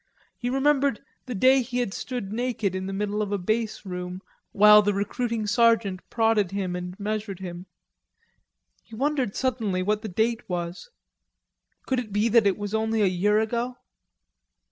He remembered the day he had stood naked in the middle of a base room while the recruiting sergeant prodded him and measured him. He wondered suddenly what the date was. Could it be that it was only a year ago?